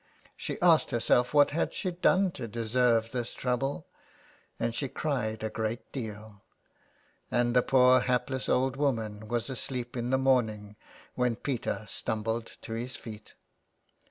She asked herself what had she done to deserve this trouble ? and she cried a great deal ; and the poor, hapless old woman was asleep in the morning when Peter stumbled to his feet.